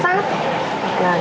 thì họ thích hơn